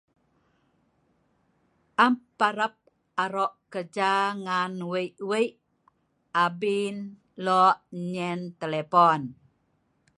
Am parap aro' kerja ngan wei' wei' abin lo' nyen telepon.